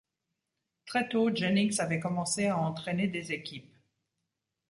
Très tôt, Jennings avait commencé à entraîner des équipes.